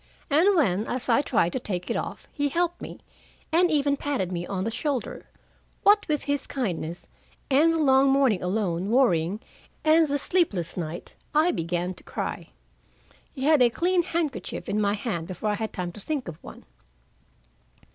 And when, as I tried to take it off, he helped me, and even patted me on the shoulder what with his kindness, and the long morning alone, worrying, and the sleepless night, I began to cry. He had a clean handkerchief in my hand before I had time to think of one.